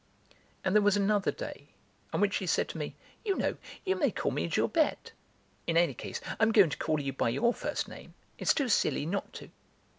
And there was another day on which she said to me: "You know, you may call me 'Gilberte'; in any case, I'm going to call you by your first name. It's too silly not to."